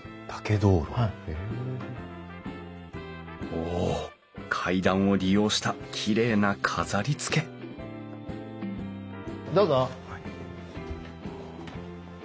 お階段を利用したきれいな飾りつけどうぞ。